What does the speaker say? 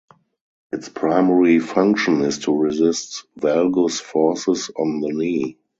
Its primary function is to resist valgus forces on the knee.